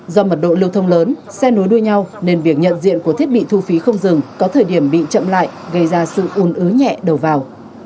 do mật độ lưu thông lớn xe nối đuôi nhau nên việc nhận diện của thiết bị thu phí không dừng có thời điểm bị chậm lại gây ra sự ùn ứ nhẹ đầu vào